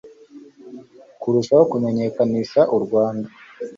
kurushaho kumenyekanisha u rwanda